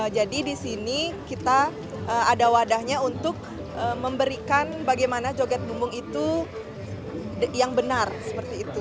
jadi di sini kita ada wadahnya untuk memberikan bagaimana joget bumbung itu yang benar